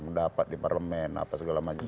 pendapat di parlemen apa segala macamnya